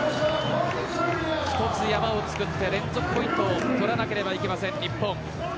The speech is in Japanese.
一つ、山を作って連続ポイントを取らなければいけません、日本。